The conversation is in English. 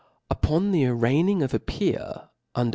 ' Upon the yraigning^of a peer un4er.